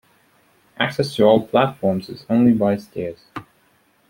Access to all platforms is only by stairs.